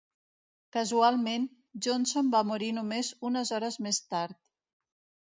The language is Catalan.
Casualment, Johnson va morir només unes hores més tard.